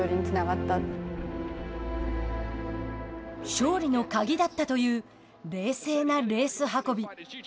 勝利の鍵だったという冷静なレース運び。